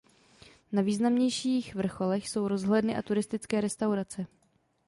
Na významnějších vrcholech jsou rozhledny a turistické restaurace.